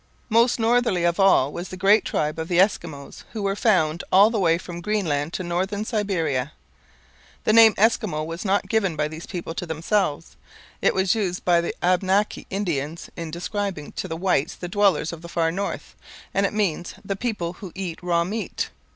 Most northerly of all was the great tribe of the Eskimos, who were found all the way from Greenland to Northern Siberia. The name Eskimo was not given by these people to themselves. It was used by the Abnaki Indians in describing to the whites the dwellers of the far north, and it means 'the people who eat raw meat.'